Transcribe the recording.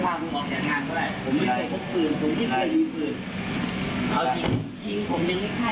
กลญผมยังไม่กล้ายิง